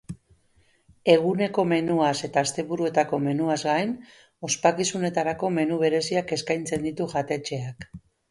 Eguneko menuaz eta asteburuetako menuaz gain, ospakizunetarako menu bereziak eskaintzen ditu jatetxeak.